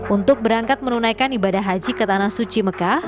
untuk berangkat menunaikan ibadah haji ke tanah suci mekah